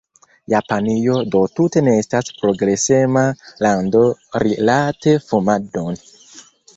Japanio do tute ne estas progresema lando rilate fumadon.